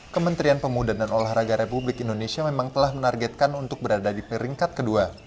kementerian pemuda dan olahraga republik indonesia memang telah menargetkan untuk berada di peringkat kedua